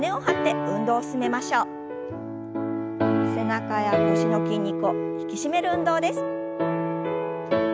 背中や腰の筋肉を引き締める運動です。